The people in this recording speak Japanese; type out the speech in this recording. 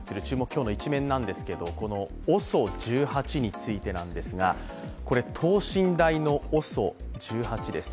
きょうのイチメン」なんですけど、ＯＳＯ１８についてなんですが、等身大のＯＳＯ１８です。